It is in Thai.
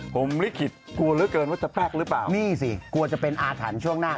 ผมลิขิตกลัวเหลือเกินว่าจะแป๊กหรือเปล่านี่สิกลัวจะเป็นอาถรรพ์ช่วงหน้า